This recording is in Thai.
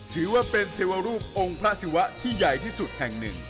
ถือว่าเป็นเทวรูปองค์พระศิวะที่ใหญ่ที่สุดแห่งหนึ่ง